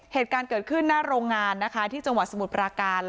เหตุการณ์เกิดขึ้นหน้าโรงงานนะคะที่จังหวัดสมุทรปราการ